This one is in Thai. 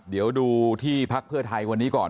เดี๋ยวดูที่พักเพื่อไทยวันนี้ก่อน